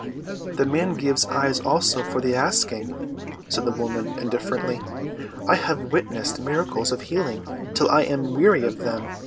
"The man gives eyes also for the asking," said the woman indifferently. "I have witnessed miracles of healing till I am weary of them.